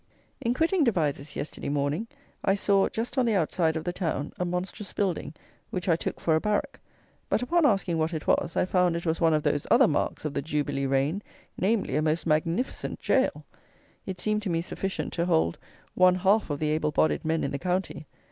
In quitting Devizes yesterday morning I saw, just on the outside of the town, a monstrous building, which I took for a barrack; but upon asking what it was, I found it was one of those other marks of the JUBILEE REIGN; namely, a most magnificent gaol! It seemed to me sufficient to hold one half of the able bodied men in the county!